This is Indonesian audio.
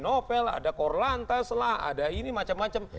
novel ada corlantas ada ini macam macam